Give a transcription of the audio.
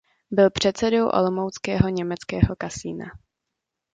Byl předsedou olomouckého německého Kasina.